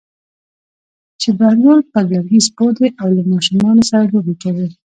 چې بهلول پر لرګي سپور دی او له ماشومانو سره لوبې کوي.